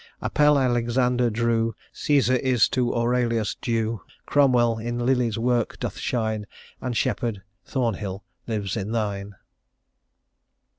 Apelles Alexander drew, Cæsar is to Aurelius due; Cromwell in Lily's works doth shine, And Sheppard, Thornhill, lives in thine."